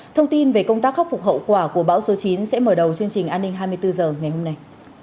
thông tin về công tác khắc phục hậu quả của bão số chín sẽ mở đầu chương trình an ninh hai mươi bốn h ngày hôm nay